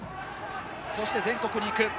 そして全国に行く。